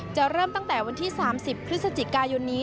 เริ่มตั้งแต่วันที่๓๐พฤศจิกายนนี้